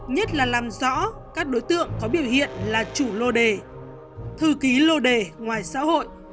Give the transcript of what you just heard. nhất là làm rõ các đối tượng có biểu hiện là chủ lô đề thư ký lô đề ngoài xã hội